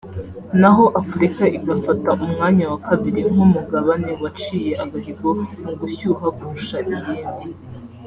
naho Afurika igafata umwanya wa kabiri nk’umugabane waciye agahigo mu gushyuha kurusha iyindi